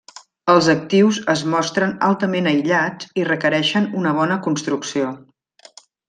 Els actius es mostren altament aïllats i requereixen una bona construcció.